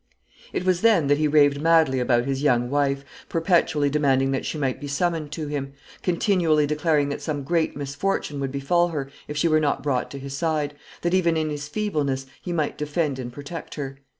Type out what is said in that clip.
It was then that he raved madly about his young wife, perpetually demanding that she might be summoned to him; continually declaring that some great misfortune would befall her if she were not brought to his side, that, even in his feebleness, he might defend and protect her.